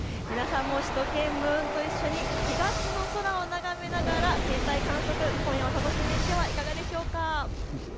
皆さんもしゅと犬ムーンと一緒に東の空を眺めながら天体観測、今夜は楽しんでみてはいかがでしょうか。